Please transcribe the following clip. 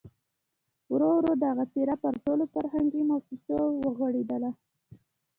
ورو ورو دغه څېره پر ټولو فرهنګي مؤسسو وغوړېدله.